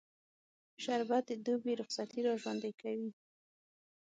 شربت د دوبی رخصتي راژوندي کوي